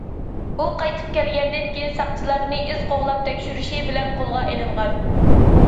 ئۇ قايتىپ كەلگەندىن كېيىن ساقچىلارنى ئىز قوغلاپ تەكشۈرۈشى بىلەن قولغا ئېلىنغان.